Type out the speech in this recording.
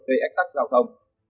về ếch tắc giao thông